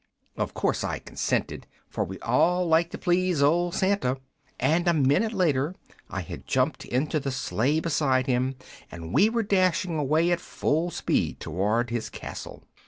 "Of course I consented, for we all like to please old Santa, and a minute later I had jumped into the sleigh beside him and we were dashing away at full speed toward his castle.